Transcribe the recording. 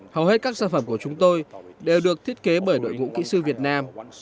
hầu hết các sản phẩm của chúng tôi đều được thiết kế bởi đội ngũ kỹ sư việt nam